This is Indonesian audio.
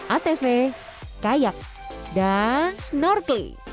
atv kayak dan snorkeling